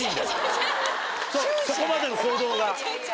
そこまでの行動が。